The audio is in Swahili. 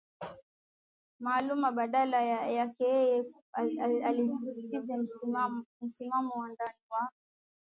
maalumu Badala yake yeye alisisitiza msimamo wa ndani wa